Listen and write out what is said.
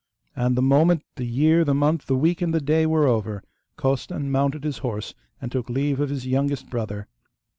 And the moment the year, the month, the week, and the day were over Costan mounted his horse and took leave of his youngest brother.